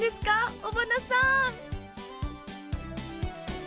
尾花さん。